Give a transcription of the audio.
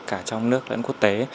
cả trong nước